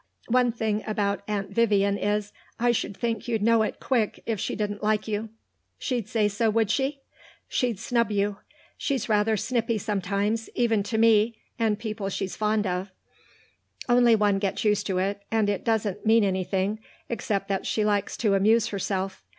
One thing about Aunt Vyvian is, I should think you'd know it pretty quick if she didn't like you." "She'd say so, would she?" "She'd snub you. She's rather snippy sometimes, even to me and people she's fond of. Only one gets used to it, and it doesn't mean anything except that she likes to amuse herself.